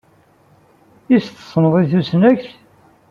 Is tessned i tusnakt?